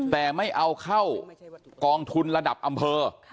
แต่ไม่เอาเข้ากองทุนระดับอำเภอ